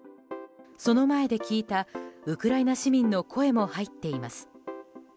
その前で聞いたウクライナ市民の声も入っています。